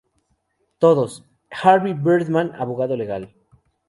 Todos: "¡Harvey Birdman, abogado legal!".